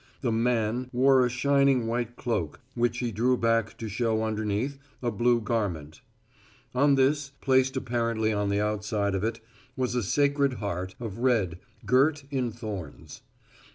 The Man wore a shining white cloak which he drew back to show underneath a blue garment. On this, placed apparently on the outside of it, was a Sacred Heart of red, girt in thorns.